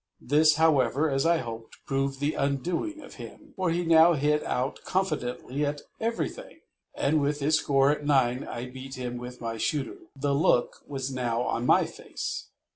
This, however, as I hoped, proved the undoing of him, for he now hit out confidently at everything, and with his score at nine I beat him with my shooter. The look was now on my face.